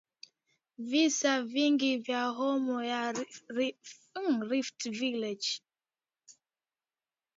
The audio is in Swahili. visa vingi vya homa ya Rift Valley